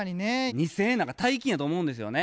２，０００円なんか大金やと思うんですよね。